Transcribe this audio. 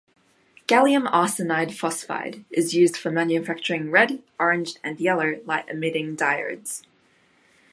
Gallium arsenide phosphide is used for manufacturing red, orange and yellow light-emitting diodes.